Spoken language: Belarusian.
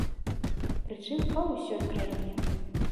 Прычым па ўсёй краіне.